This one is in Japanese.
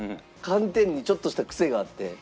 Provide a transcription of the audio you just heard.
寒天にちょっとしたクセがあって？